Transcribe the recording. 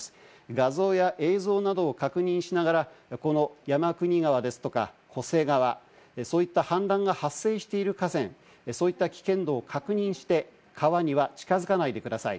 画像や映像などを確認しながら、この山国川ですとか、巨瀬川、そういった氾濫が発生している河川、そういった危険度を確認して、川には近づかないでください。